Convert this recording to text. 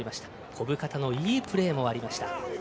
小深田のいいプレーもありました。